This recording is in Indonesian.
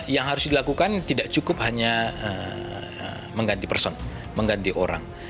yang harus dilakukan tidak cukup hanya mengganti person mengganti orang